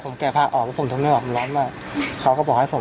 คนแรกก็โดนคนแรกใช่ไหม